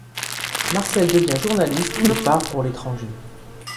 Marcel devient journaliste et part pour l'étranger.